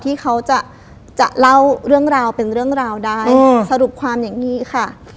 ที่เขาจะเล่าเรื่องราวเป็นเรื่องราวได้สรุปความอย่างนี้ค่ะ